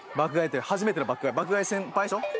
初めての『爆買い』『爆買い』先輩でしょ？